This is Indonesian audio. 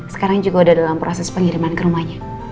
sekarang juga udah dalam proses pengiriman ke rumahnya